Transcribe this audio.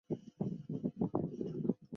主要角色名称列表。